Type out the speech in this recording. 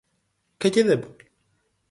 ¿Que lle debo?